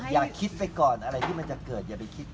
อย่าคิดไปก่อนอะไรที่มันจะเกิดอย่าไปคิด